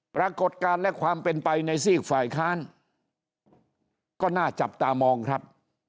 ปรากฏการณ์และความเป็นไปในซีกฝ่ายค้านก็น่าจับตามองครับ